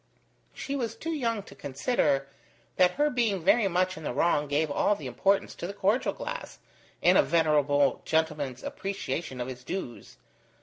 She was too young to consider that her being very much in the wrong gave all the importance to the cordial glass in a venerable gentleman's appreciation of his dues.